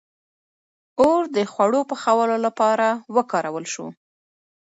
• اور د خوړو پخولو لپاره وکارول شو.